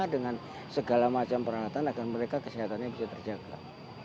dengan segala macam peralatan agar mereka kesehatannya bisa terjaga